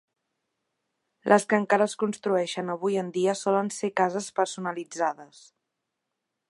Les que encara es construeixen avui en dia solen ser cases personalitzades.